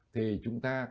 thì chúng ta